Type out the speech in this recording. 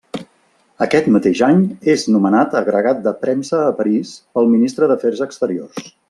Aquest mateix any és nomenat agregat de premsa a París pel ministre d'Afers exteriors.